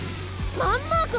マンマーク！